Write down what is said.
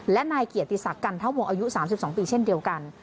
และนายเกียรติศักดิ์กันทะวงอายุ๓๒ปีเช่นเดียวกัน